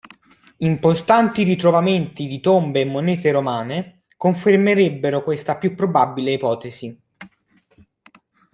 Importanti ritrovamenti di tombe e monete romane, confermerebbero questa più probabile ipotesi.